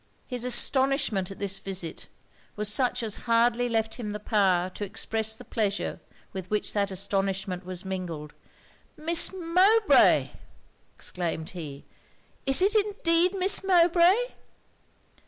His astonishment at this visit, was such as hardly left him the power to express the pleasure with which that astonishment was mingled. 'Miss Mowbray!' exclaimed he 'Is it indeed Miss Mowbray?'